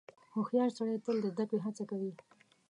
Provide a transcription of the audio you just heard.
• هوښیار سړی تل د زدهکړې هڅه کوي.